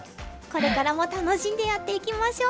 これからも楽しんでやっていきましょう！